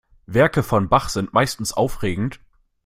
Werke von Bach sind meistens aufregend.